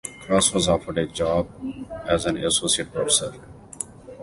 Cross was offered a job as an associate professor.